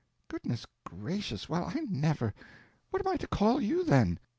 "Goodness gracious, well, I never! What am I to call you then?"